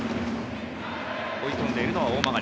追い込んでいるのは大曲。